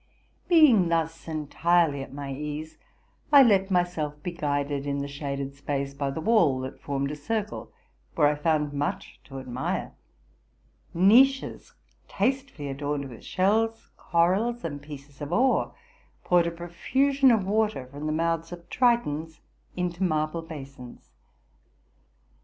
Being thus entirely at my ease, I let myself be guided in the shaded space by the wall, that formed a circle, where I found much to admire. Niches tastefully adorned with shells, corals, and pieces of ore, poured a profusion of water from the mouths of tritons into marble basins.